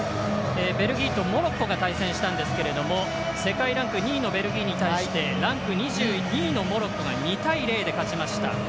ベルギーとモロッコが対戦したんですけども世界ランク２位のベルギーに対してランク２２位のモロッコが２対０で勝ちました。